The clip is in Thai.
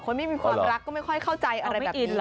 คนไม่มีความรักก็ไม่ค่อยเข้าใจอะไรแบบนี้